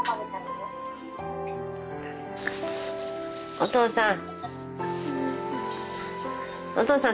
お父さん。